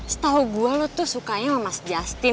setahu gue lo tuh sukanya sama mas justin